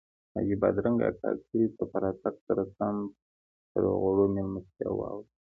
حاجي بادرنګ اکا کلي ته په راتګ سره سم پر غوړو میلمستیاوو واوښت.